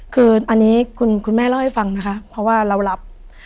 คืออันนี้คุณแม่เล่าให้ฟังนะคะเพราะว่าเรารับ